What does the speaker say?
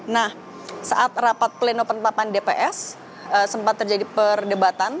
nah saat rapat pleno penetapan dps sempat terjadi perdebatan